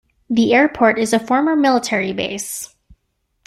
The airport is a former military base.